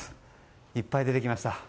いっぱい出てきました。